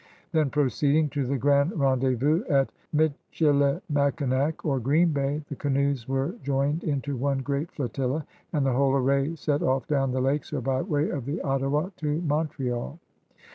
Then, proceeding to the grand rendezvous at Michilimackinac or Green Bay, the canoes were joined into one great flotilla, and the whole array set oflf down the lakes or by way of ^the Ottawa to Montreal.